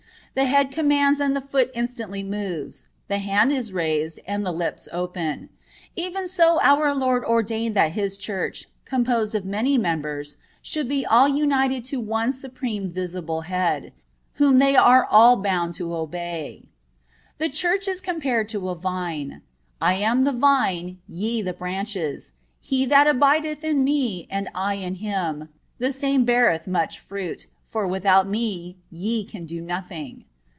The head commands and the foot instantly moves, the hand is raised and the lips open. Even so our Lord ordained that His Church, composed of many members, should be all united to one supreme visible Head, whom they are bound to obey. The Church is compared to a vine. "I am the Vine, ye the branches; he that abideth in Me and I in him, the same beareth much fruit, for without Me ye can do nothing."